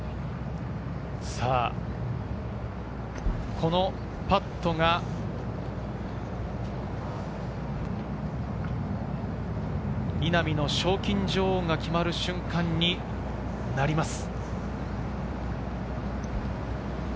このパットが稲見の賞金女王が決まる瞬間になります。